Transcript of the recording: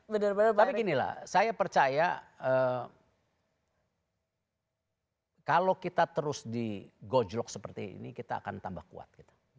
tapi ginilah saya percaya kalau kita terus digojlok seperti ini kita akan tambah kuat